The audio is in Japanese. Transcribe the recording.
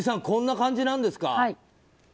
こんな感じなんですか？